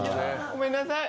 ごめんなさい。